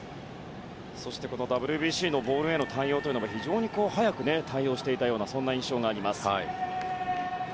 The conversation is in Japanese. そしてＷＢＣのボールへの対応も非常に早く対応していたような印象があります。